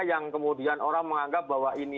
yang kemudian orang menganggap bahwa ini